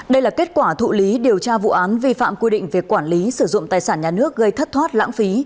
đây là kết quả thụ lý điều tra vụ án vi phạm quy định về quản lý sử dụng tài sản nhà nước gây thất thoát lãng phí